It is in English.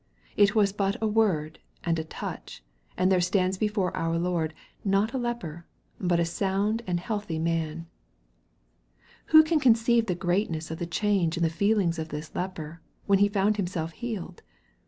It was but a word, and a touch, and there stands before our Lord, not a leper, but a sound and healthy man. Who can conceive the greatness of the change in the feelings of this leper, when he found himself healed